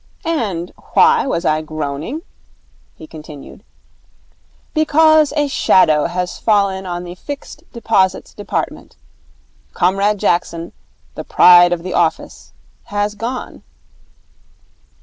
'And why was I groaning?' he continued. 'Because a shadow has fallen on the Fixed Deposits Department. Comrade Jackson, the Pride of the Office, has gone.'